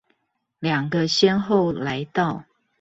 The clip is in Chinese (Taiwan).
兩個先後來到